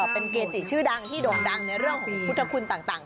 เป็นเกจิชื่อดังที่โด่งดังในภุทธคุณต่าง